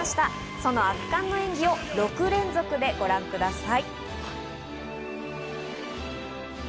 その圧巻の演技を６連続でご覧ください。